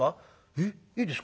「えっいいですか？